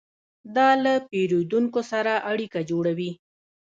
دا له پیرودونکو سره اړیکه جوړوي.